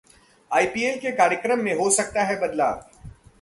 IPL के कार्यक्रम में हो सकता है बदलाव